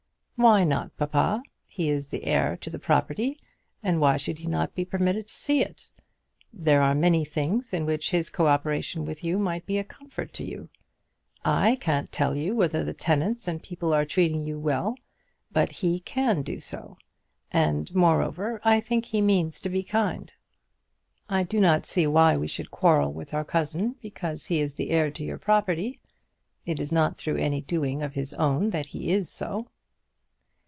"Why not, papa? He is the heir to the property, and why should he not be permitted to see it? There are many things in which his co operation with you might be a comfort to you. I can't tell you whether the tenants and people are treating you well, but he can do so; and, moreover, I think he means to be kind. I do not see why we should quarrel with our cousin because he is the heir to your property. It is not through any doing of his own that he is so."